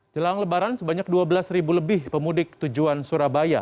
jelang lebaran sebanyak dua belas lebih pemudik tujuan surabaya